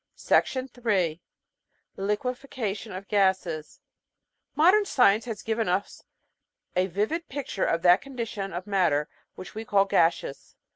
3 Liquefaction of Gases Modern science has given us a vivid picture of that condition of matter which we call gaseous.